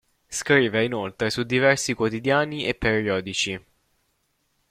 Scrive inoltre su diversi quotidiani e periodici.